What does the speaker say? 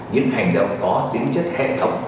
những hành động có tính chất hệ thống